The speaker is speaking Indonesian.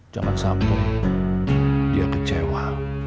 jangan sampai dia kecewa